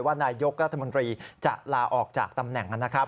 นายกรัฐมนตรีจะลาออกจากตำแหน่งนะครับ